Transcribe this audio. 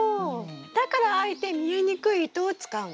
だからあえて見えにくい糸を使うんですね？